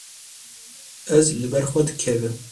Ez li ber xwe dikevim.